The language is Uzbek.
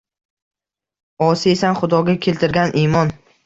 -Osiysan, xudoga keltirgan imon!